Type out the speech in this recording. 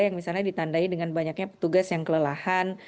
yang misalnya ditandai dengan banyaknya petugas yang kelelahan